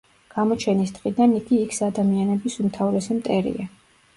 გამოჩენის დღიდან იგი იქს-ადამიანების უმთავრესი მტერია.